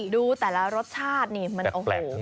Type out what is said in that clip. ดูแต่ละรสชาตินี่มันโอ้โห